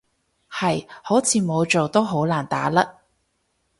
係，好似冇做都好難打甩